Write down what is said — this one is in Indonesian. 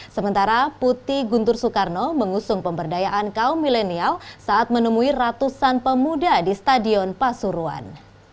sementara putih guntur soekarno mengusung pemberdayaan kaum milenial saat menemui ratusan pemuda di stadion pasuruan